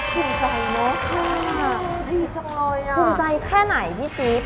คุณใจเนอะค่ะ